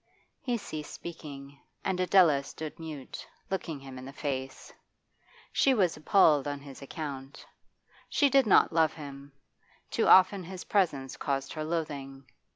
He ceased speaking, and Adela stood mute, looking him in the face. She was appalled on his account. She did not love him; too often his presence caused her loathing.